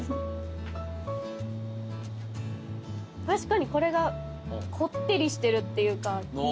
確かにこれがこってりしてるっていうか。